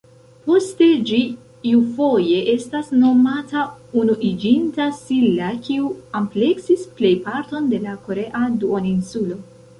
Poste, ĝi iufoje estas nomata Unuiĝinta Silla kiu ampleksis plejparton de la korea duoninsulo.